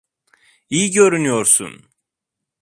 İyi görünüyorsun.